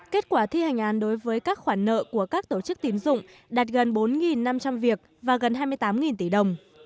kết quả thi hành án đối với các khoản nợ của các tổ chức tiến dụng đạt gần bốn năm trăm linh việc